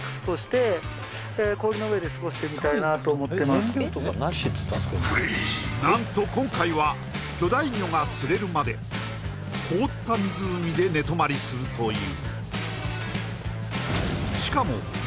よし天候にも恵まれ何と今回は巨大魚が釣れるまで凍った湖で寝泊まりするという